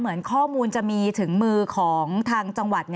เหมือนข้อมูลจะมีถึงมือของทางจังหวัด